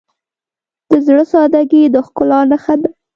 د زړه سادگی د ښکلا نښه ده.